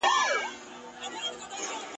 هم ویالې وې وچي سوي هم سیندونه ..